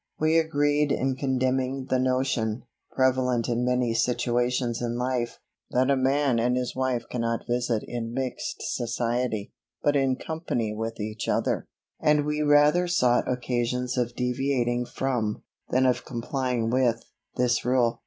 We agreed in condemning the notion, prevalent in many situations in life, that a man and his wife cannot visit in mixed society, but in company with each other; and we rather sought occasions of deviating from, than of complying with, this rule.